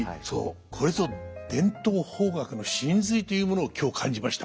これぞ伝統邦楽の神髄というものを今日感じました。